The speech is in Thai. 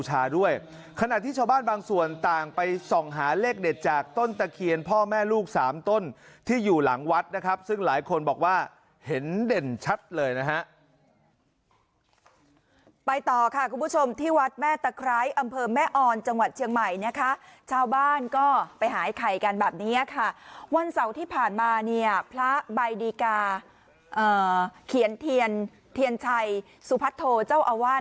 ขณะที่ชาวบ้านบางส่วนต่างไปส่องหาเลขเด็ดจากต้นตะเคียนพ่อแม่ลูกสามต้นที่อยู่หลังวัดนะครับซึ่งหลายคนบอกว่าเห็นเด่นชัดเลยนะฮะไปต่อค่ะคุณผู้ชมที่วัดแม่ตะไคร้อำเภอแม่ออนจังหวัดเชียงใหม่นะคะชาวบ้านก็ไปหายไข่กันแบบนี้ค่ะวันเสาร์ที่ผ่านมาเนี่ยพระใบดีกาเขียนเทียนเทียนชัยสุพัฒโธเจ้าอาวาส